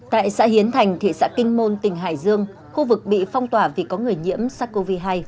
tại xã hiến thành thị xã kinh môn tỉnh hải dương khu vực bị phong tỏa vì có người nhiễm sars cov hai